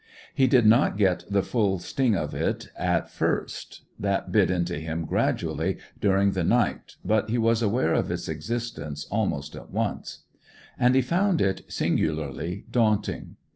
He did not get the full sting of it at first that bit into him gradually during the night but he was aware of its existence almost at once. And he found it singularly daunting.